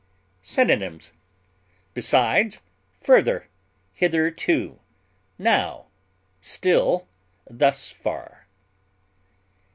Synonyms: besides, further, hitherto, now, still, thus far.